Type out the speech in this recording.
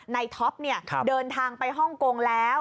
ท็อปเดินทางไปฮ่องกงแล้ว